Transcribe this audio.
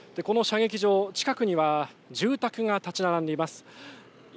この射撃場近くには住宅が立ち並んでいます。